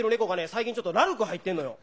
最近ちょっとラルク入ってんのよ。